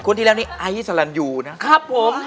ที่แล้วนี่ไอซ์สลันยูนะครับผม